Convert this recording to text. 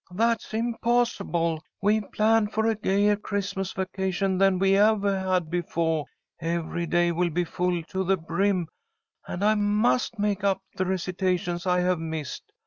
That's impossible! We've planned for a gayer Christmas vacation than we've evah had befoah. Every day will be full to the brim. And I must make up the recitations I have missed.